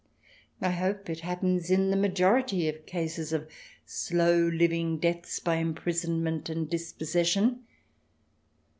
I hope it happens in the majority of cases of slow, living deaths by imprisonment, and dispossession.